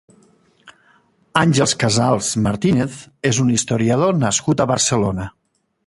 Àngel Casals Martínez és un historiador nascut a Barcelona.